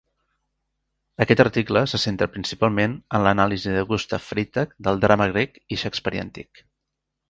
Aquest article se centra principalment en l'anàlisi de Gustav Freytag del drama grec i shakespearià antic.